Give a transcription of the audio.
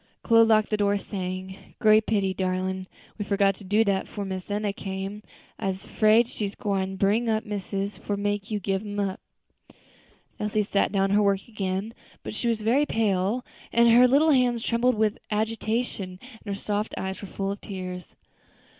Chloe locked the door, saying, "Great pity, darlin', we forgot to do dat 'fore Miss Enna came. I'se 'fraid she gwine bring missus for make you gib um up." Elsie sat down to her work again, but she was very pale, and her little hands trembled with agitation, and her soft eyes were full of tears.